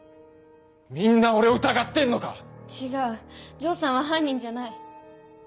みんな俺を疑ってんのか⁉違う城さんは犯人じゃない。